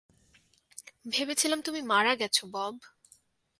ভেবেছিলাম তুমি মারা গেছ, বব।